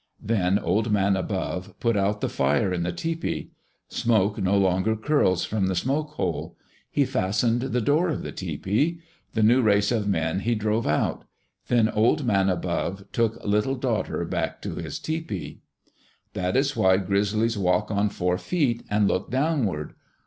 Then Old Man Above put out the fire in the tepee. Smoke no longer curls from the smoke hole. He fastened the door of the tepee. The new race of men he drove out. Then Old Man Above took Little Daughter back to his tepee. That is why grizzlies walk on four feet and look downward.